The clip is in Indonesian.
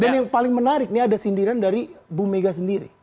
dan yang paling menarik ini ada sindiran dari bu mega sendiri